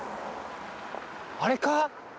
あれか？